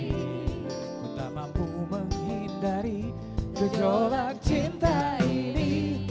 aku tak mampu menghindari kecolak cinta ini